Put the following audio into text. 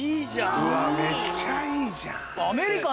うわめっちゃいいじゃん。